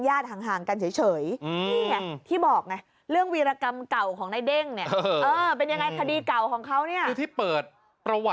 บางทีคอมเมนต์มันก็แรงมันกลับอะไรอย่างนี้ค่ะ